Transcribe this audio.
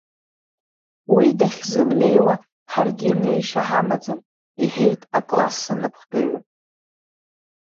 Уи дахьзымнеиуа ҳаргьы неишьа ҳамаӡам иҳәеит акласс анапхгаҩы.